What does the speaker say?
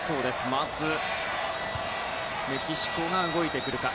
まず、メキシコが動いてくるか。